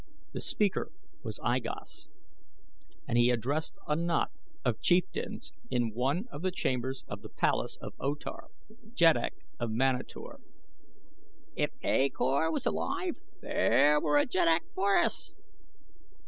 The speaker was I Gos and he addressed a knot of chieftains in one of the chambers of the palace of O Tar, Jeddak of Manator: "If A Kor was alive there were a jeddak for us!"